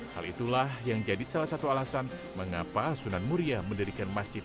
hal itulah yang jadi salah satu alasan mengapa sunan muria mendirikan masjid